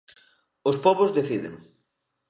Os Pobos Deciden.